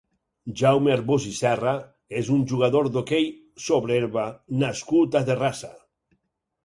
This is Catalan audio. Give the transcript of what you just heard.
Jaume Arbós i Serra és un jugador d'hoquei sobre herba nascut a Terrassa.